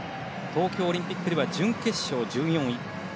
東京オリンピックでは準決勝、１４位。